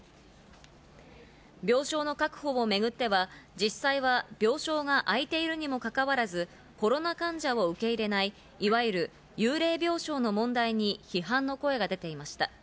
病床の確保をめぐっては、実際は病床が空いているにもかかわらず、コロナ患者を受け入れない、いわゆる幽霊病床の問題に批判の声が出ていました。